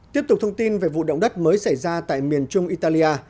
tiếp tục thông tin về vụ động đất mới xảy ra tại miền trung italia